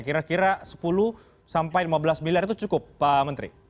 kira kira sepuluh sampai lima belas miliar itu cukup pak menteri